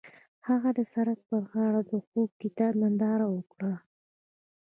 هغوی د سړک پر غاړه د خوږ کتاب ننداره وکړه.